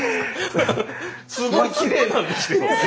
すごいきれいなんですよ！